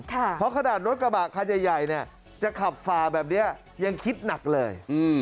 เพราะขนาดรถกระบะคันใหญ่เนี่ยจะขับฝ่าแบบนี้ยังคิดหนักเลย